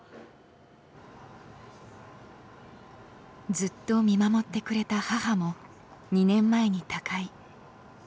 ずっと見守ってくれた母も２年前に他界。